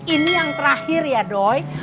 ini yang terakhir ya doy